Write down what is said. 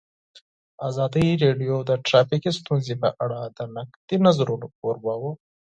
ازادي راډیو د ټرافیکي ستونزې په اړه د نقدي نظرونو کوربه وه.